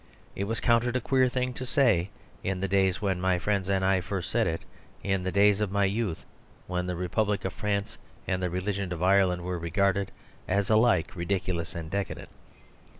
It was counted a queer thing to say, in the days when my friends and I first said it; in the days of my youth when the republic of France and the religion of Ireland were regarded as alike ridiculous and decadent.